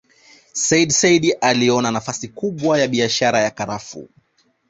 Sayyid Said aliona nafasi kubwa ya biashara ya karafuu